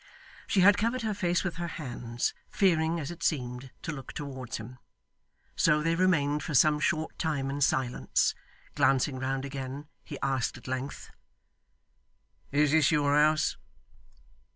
She had covered her face with her hands, fearing, as it seemed, to look towards him. So they remained for some short time in silence. Glancing round again, he asked at length: 'Is this your house?